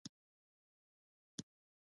ایا زه باید لمده ډوډۍ وخورم؟